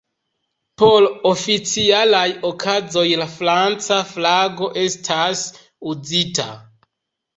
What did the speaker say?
Por oficialaj okazoj, la franca flago estas uzita.